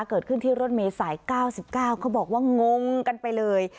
เกิดขึ้นที่รถเมศสายเก้าสิบเก้าเขาบอกว่างงกันไปเลย